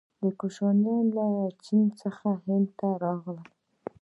کوشانیان له چین څخه هند ته راغلل.